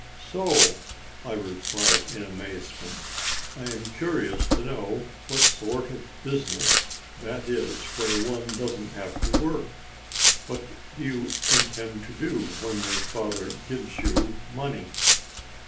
"So!" I replied in amazement. "I am curious to know what sort of business that is where one doesn't have to work. What do you intend to do when your father gives you money?"